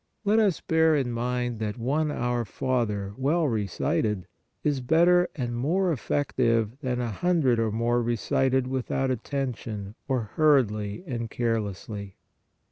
Let us bear in mind that one Our Father well re cited is better and more effective than a hundred or more recited without attention, or hurriedly and carelessly.